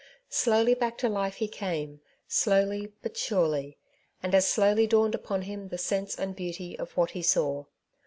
Slowly back to life he [^came ; slowly, but surely ; and as slowly dawned upon him the sense and beauty of what he saw.